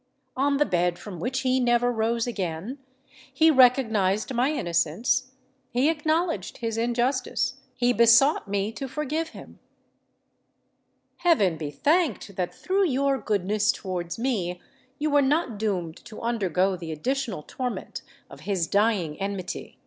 On the bed from which he never rose again, he recognised my innocence—he acknowledged his injustice—he besought me to forgive him!" "Heaven be thanked that, through your goodness towards me, you were not doomed to undergo the additional torment of his dying enmity!"